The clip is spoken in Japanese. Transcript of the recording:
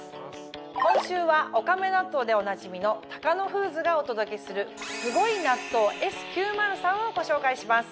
今週はおかめ納豆でおなじみのタカノフーズがお届けする「すごい納豆Ｓー９０３」をご紹介します。